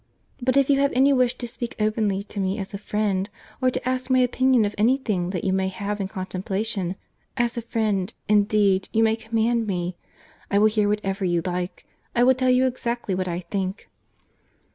—But if you have any wish to speak openly to me as a friend, or to ask my opinion of any thing that you may have in contemplation—as a friend, indeed, you may command me.—I will hear whatever you like. I will tell you exactly what I think."